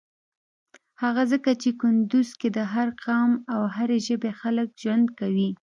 هغه ځکه چی کندوز کی د هر قام او هری ژبی خلک ژوند کویی.